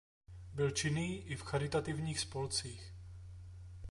Byl činný i v charitativních spolcích.